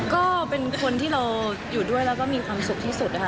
ก็เป็นคนที่เราอยู่ด้วยแล้วก็มีความสุขที่สุดนะคะ